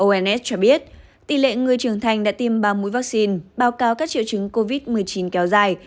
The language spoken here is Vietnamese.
uns cho biết tỷ lệ người trưởng thành đã tiêm ba mũi vaccine báo cáo các triệu chứng covid một mươi chín kéo dài